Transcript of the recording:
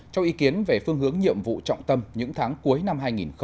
cho ý kiến về phương hướng nhiệm vụ trọng tâm những tháng cuối năm hai nghìn hai mươi